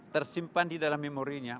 tersimpan di dalam memorinya